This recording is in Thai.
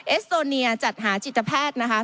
เอสโตเนียจัดหาจิตแพทย์นะคะ